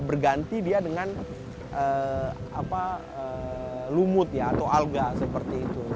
berganti dia dengan lumut atau alga seperti itu